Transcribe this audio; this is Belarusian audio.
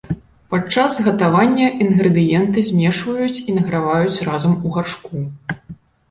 Падчас гатавання інгрэдыенты змешваюць і награваюць разам у гаршку.